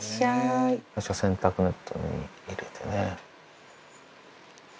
洗濯ネットに入れてね。